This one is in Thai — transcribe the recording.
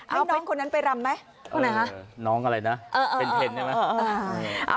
เอาน้องคนนั้นไปรำไหมน้องอะไรนะเพ็นใช่ไหม